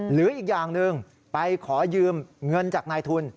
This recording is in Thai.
หรืออีกอย่างหนึ่งไปขอยืมเงินจากนายทุน